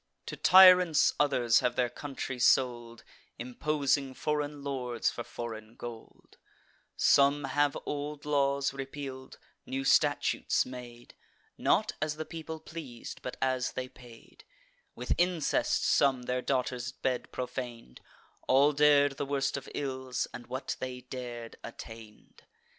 To tyrants others have their country sold, Imposing foreign lords, for foreign gold; Some have old laws repeal'd, new statutes made, Not as the people pleas'd, but as they paid; With incest some their daughters' bed profan'd: All dar'd the worst of ills, and, what they dar'd, attain'd.